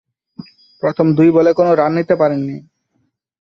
প্রথম দুই বলে কোন রান নিতে পারেননি।